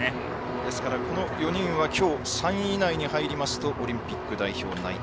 ですからこの４人がきょう３位以内に入りますとオリンピック代表決定